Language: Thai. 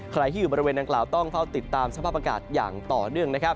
ใครที่อยู่บริเวณดังกล่าวต้องเฝ้าติดตามสภาพอากาศอย่างต่อเนื่องนะครับ